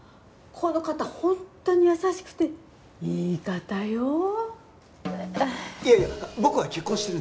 この方本当に優しくていい方よ。